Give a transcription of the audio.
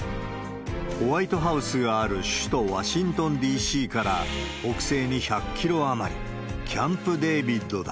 ホワイトハウスがある首都ワシントンＤＣから北西に１００キロ余り、キャンプ・デービッドだ。